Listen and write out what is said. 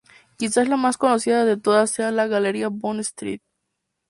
Quizás la más conocida de todas sea la "Galería Bond Street".